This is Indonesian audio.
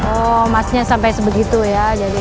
oh masnya sampai sebegitu ya jadi ya